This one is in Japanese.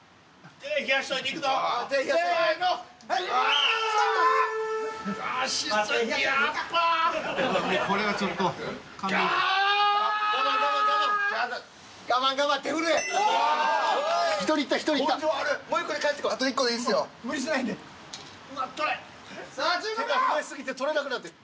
手が震え過ぎて取れなくなってる。